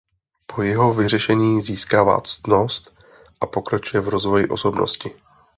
Po jeho vyřešení získává ctnost a pokračuje v rozvoji osobnosti.